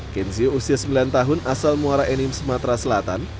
kenzio usia sembilan tahun asal muara enim sumatera selatan